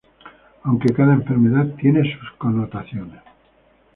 Aunque, cada enfermedad tiene sus connotaciones.